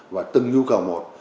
và từng nhu cầu một